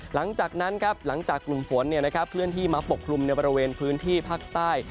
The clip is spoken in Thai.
หลังจากนั้นครับหลังจากกลุ่มฝนเคลื่อนที่มาปกคลุมในบริเวณพื้นที่ภาคใต้